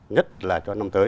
nhất là cho năm tới